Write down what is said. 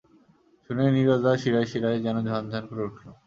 শুনেই নীরজার শিরায় শিরায় যেন ঝন ঝন করে উঠল।